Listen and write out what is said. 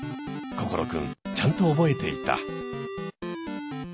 心くんちゃんと覚えていた。